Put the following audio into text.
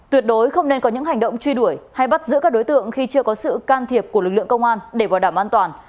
tuyệt đối không nên có những hành động truy đuổi hay bắt giữ các đối tượng khi chưa có sự can thiệp của lực lượng công an để bảo đảm an toàn